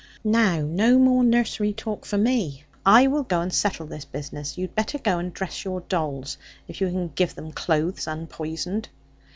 Now, no more nursery talk for me. I will go and settle this business. You had better go and dress your dolls; if you can give them clothes unpoisoned.'